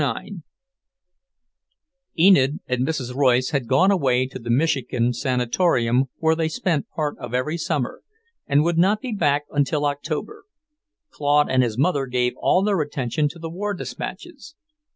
IX Enid and Mrs. Royce had gone away to the Michigan sanatorium where they spent part of every summer, and would not be back until October. Claude and his mother gave all their attention to the war despatches.